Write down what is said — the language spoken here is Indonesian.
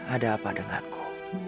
ada apa denganku